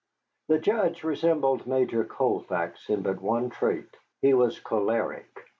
The Judge resembled Major Colfax in but one trait: he was choleric.